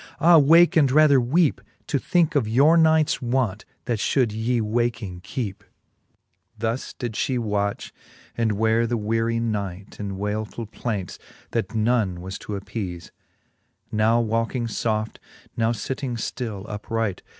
Ah wake, and rather weepe, To thinke of your nights want, that fhould yee waking kecpe. XXVI. Thus did fhe watch, and weare the weary night In waylfull plaints, that none was to appeafe ; Now walking foft, now fitting ftill upright.